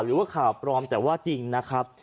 หรือว่าข่าวปลอมแต่ว่าจริงนะครับ